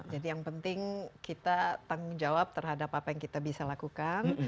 jadi yang penting kita tanggung jawab terhadap apa yang kita bisa lakukan